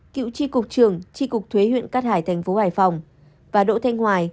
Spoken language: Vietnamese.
cựu chi cục trường chi cục thuế huyện cát hải tp hải phòng và đỗ thanh hoài